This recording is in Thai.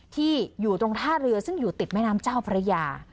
ที่อยู่ตรงท่าเรือซึ่งอยู่ติดแม่น้ำเจ้าพระยา